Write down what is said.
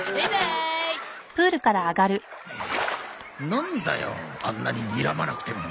なんだよあんなににらまなくても。